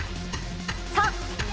３！